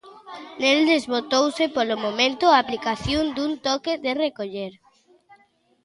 Nel desbotouse, polo momento, a aplicación dun toque de recoller.